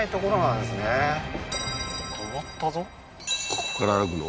ここから歩くの？